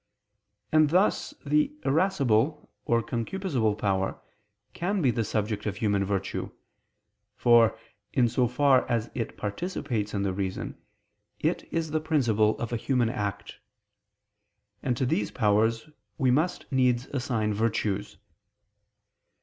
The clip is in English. And thus the irascible or concupiscible power can be the subject of human virtue: for, in so far as it participates in the reason, it is the principle of a human act. And to these powers we must needs assign virtues.